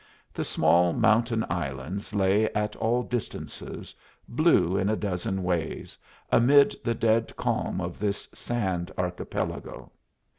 The small mountain islands lay at all distances, blue in a dozen ways, amid the dead calm of this sand archipelago.